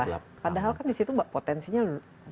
kenapa padahal kan di situ potensinya banyak sekali